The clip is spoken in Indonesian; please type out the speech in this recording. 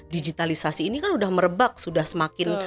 digitalisasi ini kan sudah merebak sudah semakin